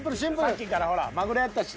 さっきからほらまぐろやったし。